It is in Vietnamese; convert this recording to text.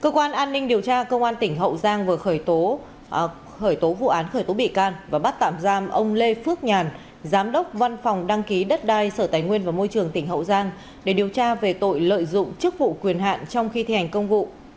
cơ quan an ninh điều tra công an tỉnh hậu giang vừa khởi tố vụ án khởi tố bị can và bắt tạm giam ông lê phước nhàn giám đốc văn phòng đăng ký đất đai sở tài nguyên và môi trường tỉnh hậu giang để điều tra về tội lợi dụng chức vụ quyền hạn trong khi thi hành công vụ